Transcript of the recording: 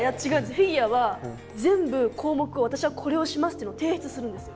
フィギュアは全部項目を「私はこれをします」っていうのを提出するんですよ。